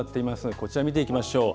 こちら見ていきましょう。